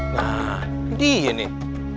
nah ini dia nih